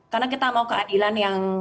karena kita mau keadilan yang